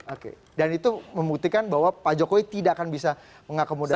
oke dan itu membuktikan bahwa pak jokowi tidak akan bisa mengakomodasi